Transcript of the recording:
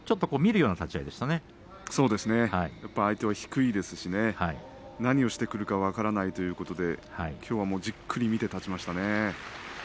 そうですねやはり相手は低いですし何をしてくるか分からないということできょうはもうじっくり見て立ちましたね。